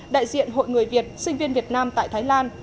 đại diện hội người việt sinh viên việt nam tại thái lan